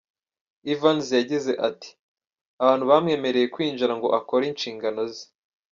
Evans yagize ati “Abantu bamwemereye kwinjira ngo akore inshingano ze.